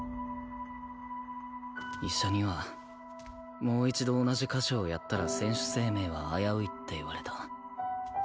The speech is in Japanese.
医者にはもう一度同じ箇所をやったら選手生命は危ういって言われた。